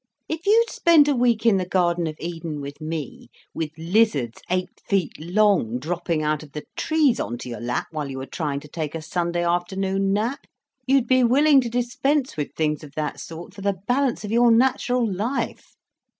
"If you'd spent a week in the Garden of Eden with me, with lizards eight feet long dropping out of the trees on to your lap while you were trying to take a Sunday afternoon nap, you'd be willing to dispense with things of that sort for the balance of your natural life.